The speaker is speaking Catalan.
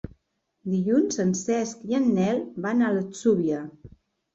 Dilluns en Cesc i en Nel van a l'Atzúbia.